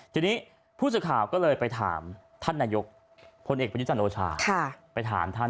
ทีนี้ผู้สื่อข่าวก็เลยไปถามท่านนายกพลเอกประยุจันทร์โอชาไปถามท่าน